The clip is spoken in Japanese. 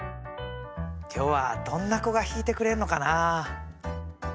今日はどんな子が弾いてくれるのかな？